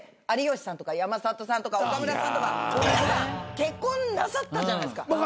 有吉さんとか山里さんとか岡村さんとか結婚なさったじゃないですか。